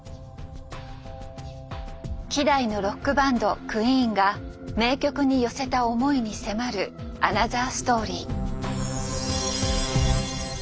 希代のロックバンドクイーンが名曲に寄せた思いに迫るアナザーストーリー。